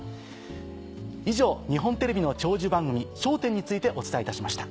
以上日本テレビの長寿番組『笑点』についてお伝えいたしました。